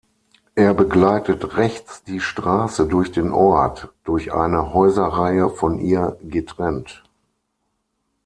Er begleitet rechts die Straße durchs den Ort, durch eine Häuserreihe von ihr getrennt.